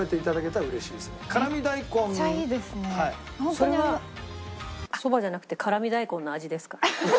それはそばじゃなくて辛味大根の味ですか？